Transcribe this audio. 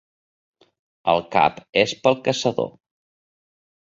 El cap és pel caçador.